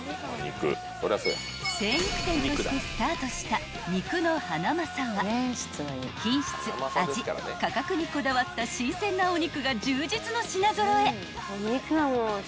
［精肉店としてスタートした肉のハナマサは品質味価格にこだわった新鮮なお肉が充実の品揃え］